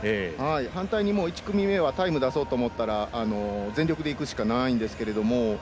反対に１組目はタイム出そうと思ったら全力でいくしかないんですが。